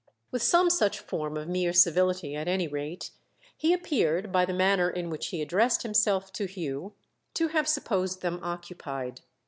With some such form of mere civility, at any rate, he appeared, by the manner in which he addressed himself to Hugh, to have supposed them occupied.